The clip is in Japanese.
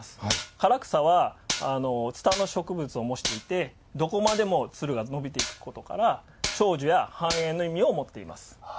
唐草はツタの植物を模していてどこまでもつるが伸びていくことから長寿や繁栄の意味を持っています。